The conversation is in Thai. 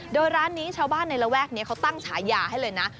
โดยร้านนี้ชาวบ้านในระแวกนี้เขาตั้งฉายาให้เลยนะ